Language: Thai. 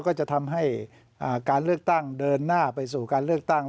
ก็จะทำให้การเลือกตั้งเดินหน้าไปสู่การเลือกตั้ง